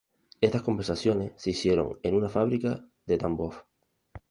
Estas conversiones se hicieron en una fábrica de Tambov.